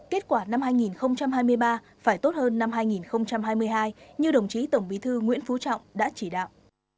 kết quả năm hai nghìn hai mươi ba phải tốt hơn năm hai nghìn hai mươi hai như đồng chí tổng bí thư nguyễn phú trọng đã chỉ đạo